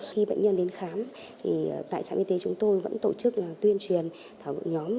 khi bệnh nhân đến khám tại trạm y tế chúng tôi vẫn tổ chức tuyên truyền thảo ngụy nhóm